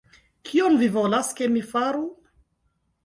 Kion vi volas, ke mi faru?